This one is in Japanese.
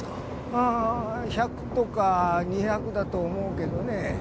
ああ１００とか２００だと思うけどね。